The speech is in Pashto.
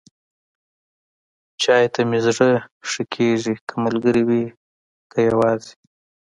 چای ته مې زړه ښه کېږي، که ملګری وي، که یواځې.